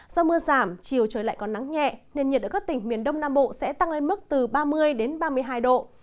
do mưa giảm chiều trời lại còn nắng nhẹ nên nhiệt ở các tỉnh miền đông nam bộ sẽ tăng lên mức từ ba mươi đến ba mươi hai độ